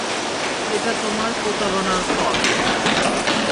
এটা তোমার প্রতারণার ফল।